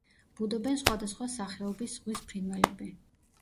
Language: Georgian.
ბუდობენ სხვადასხვა სახეობის ზღვის ფრინველები.